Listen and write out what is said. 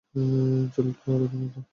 জলদি করো তোমরা।